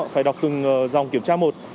phải đọc từng dòng kiểm tra một